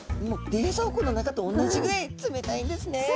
もう冷蔵庫の中と同じぐらい冷たいんですね。